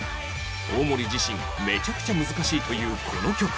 大森自身めちゃくちゃ難しいというこの曲